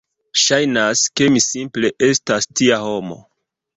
Ŝajnas, ke mi simple estas tia homo.